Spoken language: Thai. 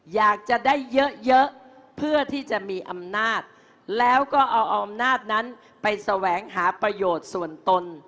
อยากจะได้เยอะเยอะเพื่อที่จะมีอำนาจแล้วก็เอาอำนาจนั้นไปแสวงหาประโยชน์ส่วนตน